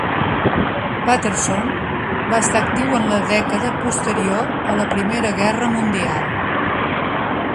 Patterson va estar actiu en la dècada posterior a la Primera Guerra Mundial.